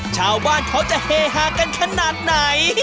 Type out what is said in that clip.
ชาวบ้านเขาจะเฮฮากันขนาดไหน